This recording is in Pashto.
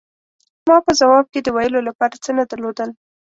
ما په ځواب کې د ویلو له پاره څه نه درلودل.